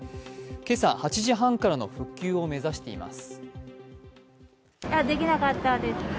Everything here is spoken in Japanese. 今朝８時半からの復旧を目指しています。